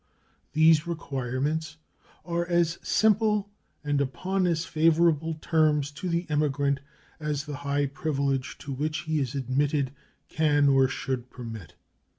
These requirements are as simple and upon as favorable terms to the emigrant as the high privilege to which he is admitted can or should permit.